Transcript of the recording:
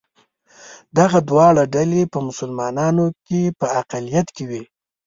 دغه دواړه ډلې په مسلمانانو کې په اقلیت کې وې.